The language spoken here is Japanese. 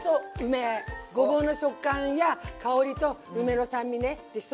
ごぼうの食感や香りと梅の酸味ねでし